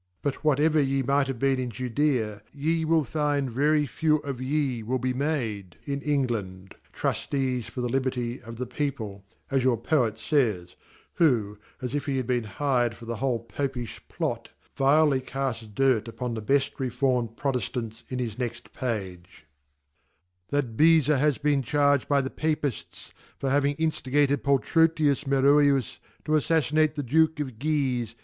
but 'whatever : ye might have teen in Judea, ye will find very few of ye will be made, hi England; Twffees for the Liberty of the people, as your Poet fays, who ( as if he had ken hired for the whole Popijh Plot) vilely cafls dirt upon the bejl reformed Pro tejiantsin his next Page, That Beza has been charged by the Papifts/<?r having injli gated Pokrotlus Mirccus to Afajfinate the Duke of Gmie